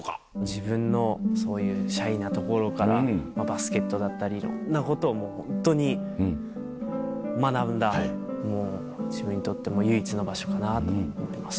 自分のそういうシャイなところからバスケットだったりいろんなことをホントに学んだ自分にとっても唯一の場所かなと思ってます。